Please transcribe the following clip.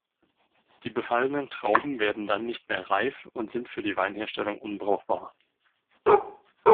Die befallenen Trauben werden dann nicht mehr reif und sind für die Weinherstellung unbrauchbar.